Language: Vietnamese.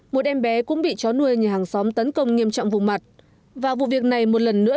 một em bé cũng bị chó nuôi như hàng xóm tấn công nghiêm trọng vùng mặt và vụ việc này một lần nữa